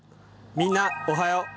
みんなおはよう！